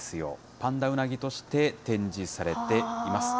パンダウナギとして展示されています。